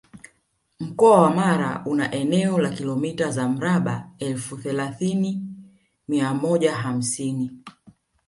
Mkoa wa Mara una eneo la Kilomita za mraba elfu thelathini mia moja hamsini